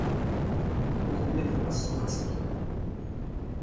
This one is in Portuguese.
O cometa passou raspando